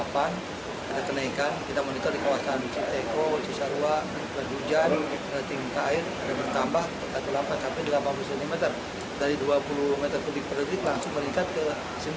pada hujan penelitian air bertambah di bendung katulampa sampai delapan puluh cm